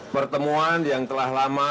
pertemuan yang telah lama